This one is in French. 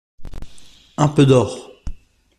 Un peu d’or.